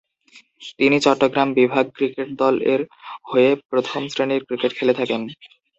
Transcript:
তিনি চট্টগ্রাম বিভাগ ক্রিকেট দল এর হয়ে প্রথম শ্রেণির ক্রিকেট খেলে থাকেন।